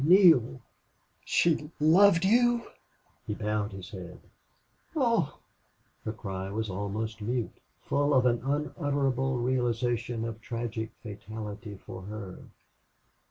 "Neale! she loved you?" He bowed his head. "Oh!" Her cry was almost mute, full of an unutterable realization of tragic fatality for her.